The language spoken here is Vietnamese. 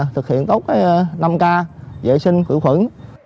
thực hiện tốt năm k vệ sinh khử khuẩn